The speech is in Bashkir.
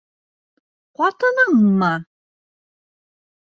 Ҡатыныммы?..